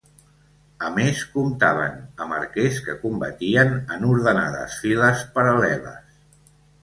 A més, comptaven amb arquers que combatien en ordenades files paral·leles.